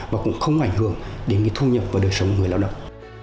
và cũng không ảnh hưởng đến thu nhập và đời sống của người lao động